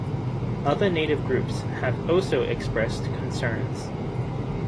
Other native groups have also expressed concerns.